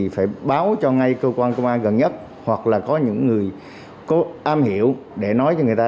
phải báo cho ngay cơ quan công an gần nhất hoặc là có những người có am hiểu để nói cho người ta